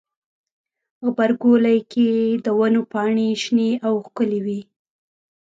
غبرګولی کې د ونو پاڼې شنې او ښکلي وي.